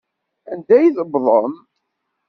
Anda tewḍem?